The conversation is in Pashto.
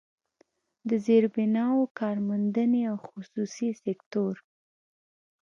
د زيربناوو، کارموندنې او خصوصي سکتور